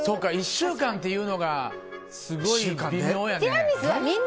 １週間っていうのがすごい微妙やねん。